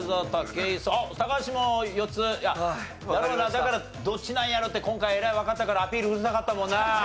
だから「どっちなんやろ？」って今回えらいわかったからアピールうるさかったもんな。